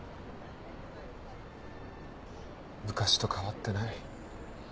昔と変わってない。